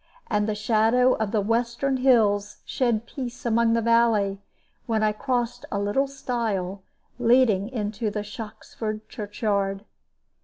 And the shadow of the western hills shed peace upon the valley, when I crossed a little stile leading into Shoxford church yard.